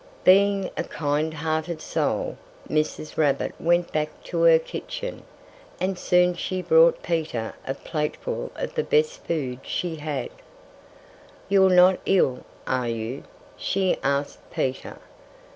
Being a kind hearted soul, Mrs. Rabbit went back to her kitchen. And soon she brought Peter a plateful of the best food she had. "You're not ill, are you?" she asked Peter.